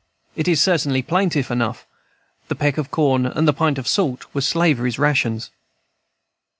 It is certainly plaintive enough. The peck of corn and pint of salt were slavery's rations.